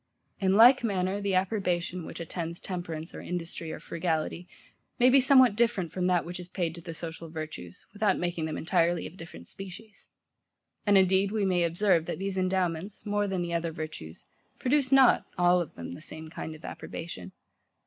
In like manner the approbation, which attends temperance or industry or frugality, may be somewhat different from that which is paid to the social virtues, without making them entirely of a different species. And, indeed, we may observe, that these endowments, more than the other virtues, produce not, all of them, the same kind of approbation.